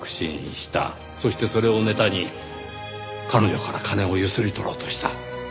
そしてそれをネタに彼女から金をゆすり取ろうとした。